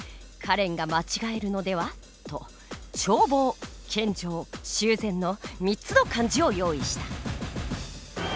「カレンが間違えるのでは？」と「眺望」「献上」「修繕」の３つの漢字を用意した。